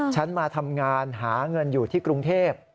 ฉันมาทำงานหาเงินอยู่ที่กรุงเทพ